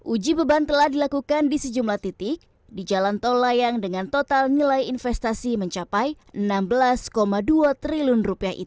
uji beban telah dilakukan di sejumlah titik di jalan tol layang dengan total nilai investasi mencapai rp enam belas dua triliun